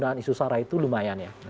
isu sara itu lumayan ya